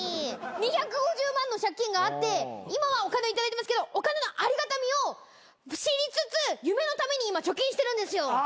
２５０万の借金があって今はお金頂いてますけどお金のありがたみを知りつつ夢のために今貯金してるんですよ。